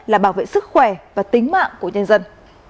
là bảo vệ sức khỏe và tính mạng của nhân dân